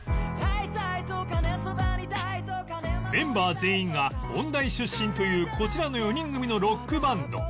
メンバー全員が音大出身というこちらの４人組のロックバンド